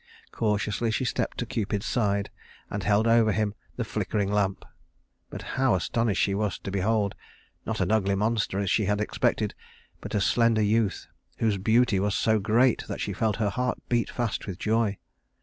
Cautiously she stepped to Cupid's side, and held over him the flickering lamp; but how astonished she was to behold not an ugly monster as she had expected but a slender youth whose beauty was so great that she felt her heart beat fast with joy.